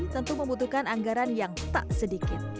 tentu membutuhkan anggaran yang tak sedikit